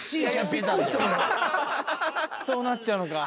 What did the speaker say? ・そうなっちゃうのか。